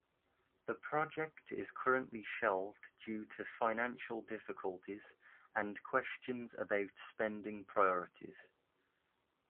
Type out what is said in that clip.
The project is currently shelved due to financial difficulties and questions about spending priorities.